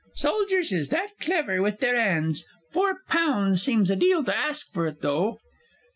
Soldiers is that clever with their 'ands. Four pounds seems a deal to ask for it, though.